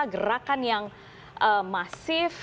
gerakan yang masif